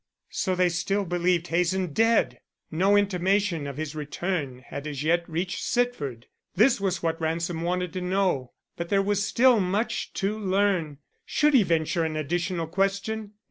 So they still believed Hazen dead! No intimation of his return had as yet reached Sitford. This was what Ransom wanted to know. But there was still much to learn. Should he venture an additional question?